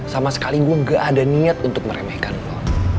sama sekali gue gak ada niat untuk meremehkan lu